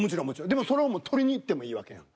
でもそれを捕りにいってもいいわけやん。